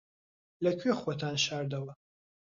لەکوێ خۆتان شاردەوە؟